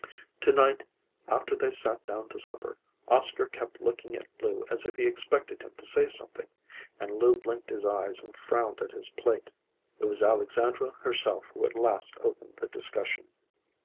To night, after they sat down to supper, Oscar kept looking at Lou as if he expected him to say something, and Lou blinked his eyes and frowned at his plate. It was Alexandra herself who at last opened the discussion.